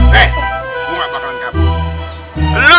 hei gua gak perlukan kabur